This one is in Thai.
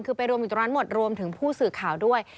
คือไปรวมอยู่ตรงนั้นหมดรวมถึงผู้สื่อข่าวด้วย